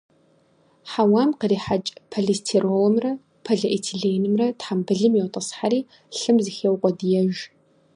Хьэуам кърихьэкӀ полистиролымрэ полиэтиленымрэ тхьэмбылым йотӀысхьэри, лъым зыхеукъуэдиеж.